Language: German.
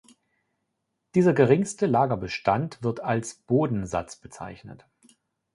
Dieser geringste Lagerbestand wird als Bodensatz bezeichnet.